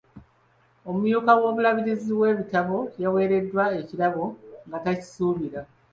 Omumyuka w'omubalirizi w'ebitabo yaweereddwa ekirabo nga takisuubira.